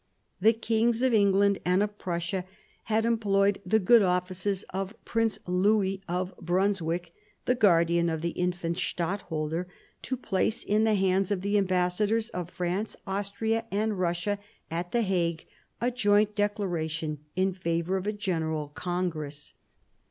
The kings of England and of Prussia had employed the good offices of Prince Louis of Brunswick, the guardian of the infant Stadtholder, to place in the hands of the ambassadors of France, Austria, and Kussia, at the Hague, a joint declaration in favour of a general congress.